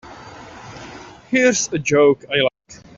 Here's a joke I like.